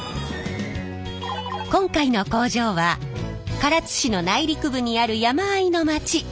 今回の工場は唐津市の内陸部にある山あいの町厳木町にあります。